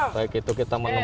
baik itu kita menemukan